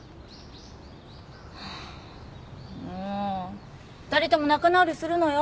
ハァもう２人とも仲直りするのよ。